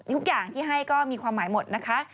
ทุกอย่างที่ให้ก็มีความหมายหมดนะคะ